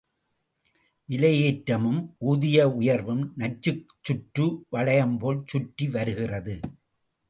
விலை ஏற்றமும் ஊதிய உயர்வும் நச்சுச் சுற்று வளையம் போல் சுற்றி வருகிறது.